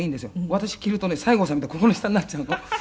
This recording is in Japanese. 「私着るとね西郷さんみたいにここの下になっちゃうの」